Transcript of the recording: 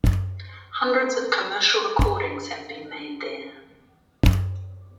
Hundreds of commercial recordings have been made there.